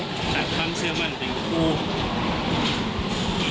หลักทำเสื้อมั่นไปอยู่กับคู่